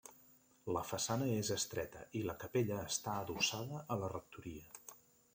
La façana és estreta i la capella està adossada a la rectoria.